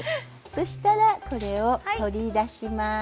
そうしたらこれを取り出します。